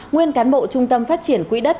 nguyên cán bộ trung tâm phát triển quỹ đất